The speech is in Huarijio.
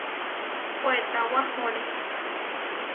Puetá wahóre.